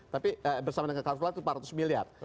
tapi bersama dengan karhutlah itu empat ratus miliar